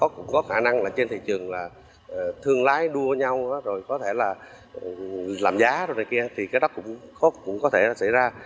các tỉnh phía bắc cũng có thể xảy ra